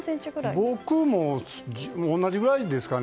僕も同じぐらいですかね。